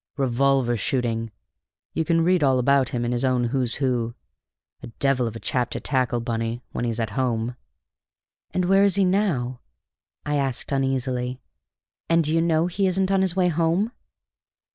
Revolver shooting! You can read all about him in his own Who's Who. A devil of a chap to tackle, Bunny, when he's at home!" "And where is he now?" I asked uneasily. "And do you know he isn't on his way home?"